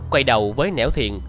quay đầu với nẻo thiện